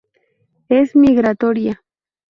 Es migratoria.